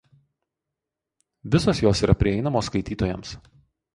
Visos jos yra prieinamos skaitytojams.